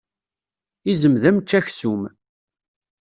Izem d ameččaksum.